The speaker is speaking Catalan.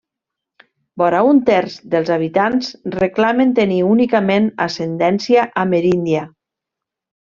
Vora un terç dels habitants reclamen tenir únicament ascendència ameríndia.